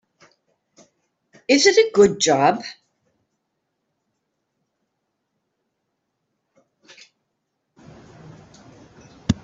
Is it a good job?